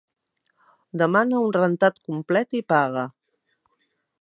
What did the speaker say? Demana un rentat complet i paga.